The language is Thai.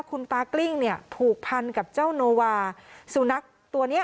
คุณตากลิ้งเนี่ยผูกพันกับเจ้าโนวาสุนัขตัวเนี้ย